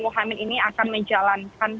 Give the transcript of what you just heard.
chaimin ini akan menjalankan